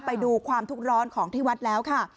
ไปดูความทุกข์ร้อนของที่วัดแล้วค่ะ